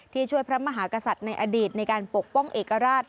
ช่วยพระมหากษัตริย์ในอดีตในการปกป้องเอกราช